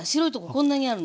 こんなにあるの。